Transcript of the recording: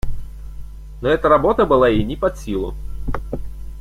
Но эта работа была ей не под силу.